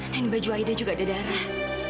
dan baju aida juga ada darah